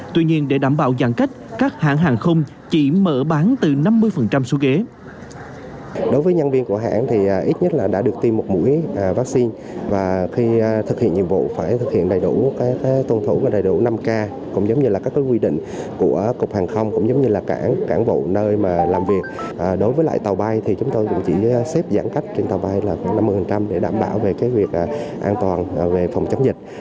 tuy nhiên để đảm bảo giãn cách các hãng hàng không chỉ mở bán từ năm mươi số ghế